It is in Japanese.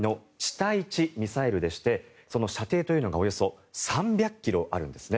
対地ミサイルでしてその射程というのがおよそ３００ｋｍあるんですね。